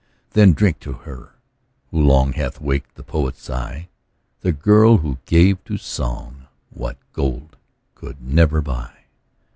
Then drink to her, who long Hath waked the poet's sigh, The girl, who gave to song What gold could never buy.